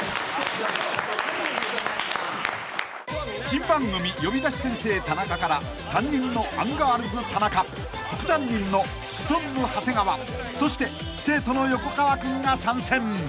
［新番組『呼び出し先生タナカ』から担任のアンガールズ田中副担任のシソンヌ長谷川そして生徒の横川君が参戦］